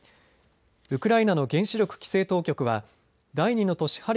ウクライナの原子力規制当局は第２の都市